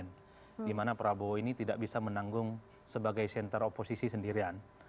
di mana prabowo ini tidak bisa menanggung sebagai senter oposisi sendirian